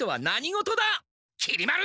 きり丸！